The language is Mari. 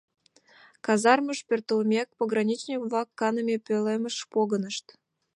Казармыш пӧртылмек, пограничник-влак каныме пӧлемыш погынышт.